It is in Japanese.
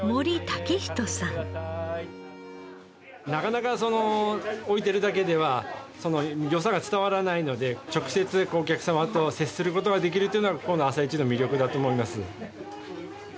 なかなか置いているだけでは良さが伝わらないので直接お客様と接する事ができるというのはこの朝市の魅力だと思います。